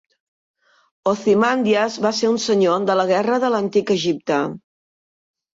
Ozymandias va ser un senyor de la guerra de l'Antic Egipte.